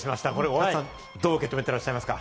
大畑さん、どう受け止めていらっしゃいますか？